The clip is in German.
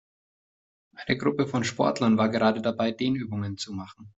Eine Gruppe von Sportlern war gerade dabei, Dehnübungen zu machen.